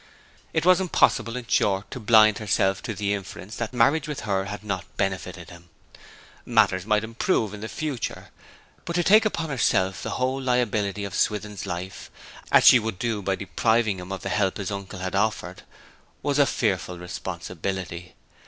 It was impossible, in short, to blind herself to the inference that marriage with her had not benefited him. Matters might improve in the future; but to take upon herself the whole liability of Swithin's life, as she would do by depriving him of the help his uncle had offered, was a fearful responsibility.